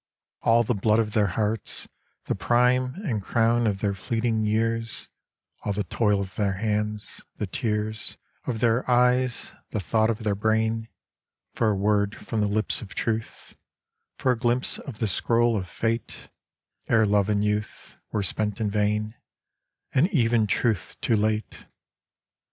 All the blood of their hearts, the prime And crown of their fleeting years, All the toil of their hands, the tears Of their eyes, the thought of their brain, For a word from the lips of Truth, For a glimpse of the scroll of Fate, Ere love and youth Were spent in vain, And even truth too late!